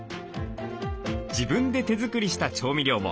自分で手作りした調味料も。